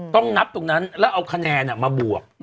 ต้องนับตรงนั้นแล้วเอาคะแนนมาบวก